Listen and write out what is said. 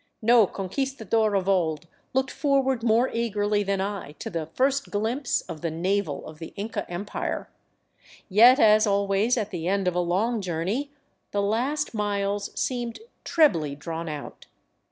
No conquistador of old looked forward more eagerly than I to the first glimpse of the Navel of the Inca Empire; yet as always at the end of a long journey the last miles seemed trebly drawn out.